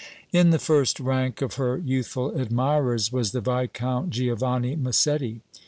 In the first rank of her youthful admirers was the Viscount Giovanni Massetti.